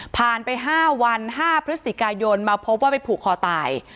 ผ่านไป๕วัน๕พฤศจิกายนมาพบว่าไปผูกคอตาย